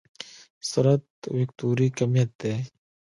سرعت وکتوري کميت دی.